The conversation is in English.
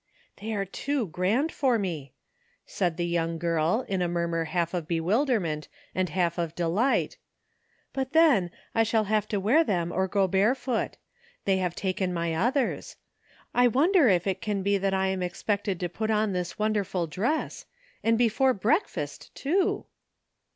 '' They are too grand for me," said the young girl, in a murmur half of bewilderment and half of delight ;'' but then, I shall have to wear them or go barefoot; they have taken my others. I wonder if it can be that I am ex pected to put on this wonderful dress ? and be fore breakfast, too